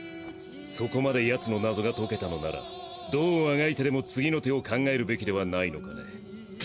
そこまでヤツの謎が解けたのならどうあがいてでも次の手を考えるべきではないのかね？